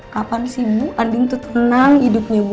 kapan sih bu andin tuh tenang hidupnya bu